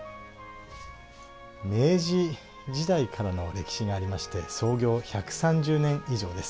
明治時代からの歴史がありまして創業１３０年以上です。